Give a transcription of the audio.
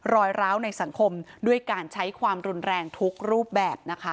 ร้าวในสังคมด้วยการใช้ความรุนแรงทุกรูปแบบนะคะ